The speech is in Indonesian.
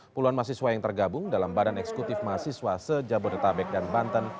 puluhan mahasiswa yang tergabung dalam badan eksekutif mahasiswa se jabodetabek dan banten